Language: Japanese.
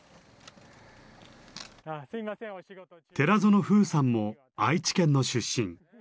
寺園風さんも愛知県の出身。